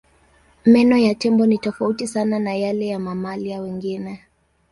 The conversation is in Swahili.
Meno ya tembo ni tofauti sana na yale ya mamalia wengine.